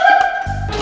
tak ada apa apa